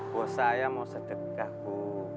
bu saya mau sedekah bu